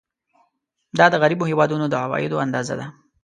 دا د غریبو هېوادونو د عوایدو اندازه ده.